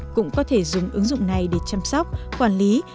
cũng có thể dùng ứng dụng này để chăm sóc quản lý